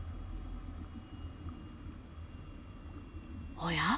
おや？